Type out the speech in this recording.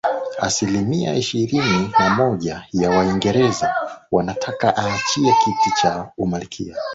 asilimia ishirini na moja ya waingereza wanataka aachie kiti cha umalkia